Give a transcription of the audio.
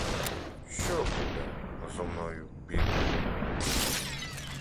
Що буде зо мною, бідною?